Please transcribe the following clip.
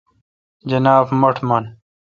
جناب-مٹھ من۔